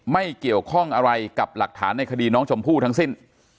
ไม่เกี่ยวข้องอะไรกับหลักฐานในคดีน้องชมพู่ทั้งสิ้น